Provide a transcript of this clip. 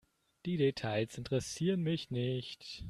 Die Details interessieren mich nicht.